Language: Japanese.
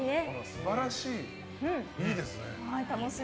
素晴らしい、いいですね。